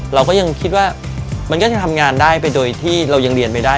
เราก็ยังคิดว่ามันก็จะทำงานได้ไปโดยที่เรายังเรียนไม่ได้